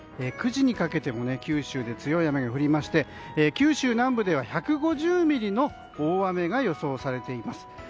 ９時にかけても九州で強い雨が降りまして九州南部では１５０ミリの大雨が予想されています。